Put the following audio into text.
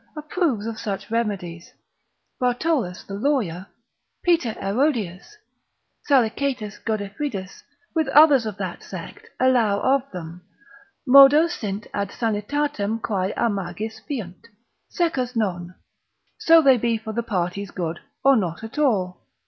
approves of such remedies: Bartolus the lawyer, Peter Aerodius rerum Judic. lib. 3. tit. 7. Salicetus Godefridus, with others of that sect, allow of them; modo sint ad sanitatem quae a magis fiunt, secus non, so they be for the parties good, or not at all.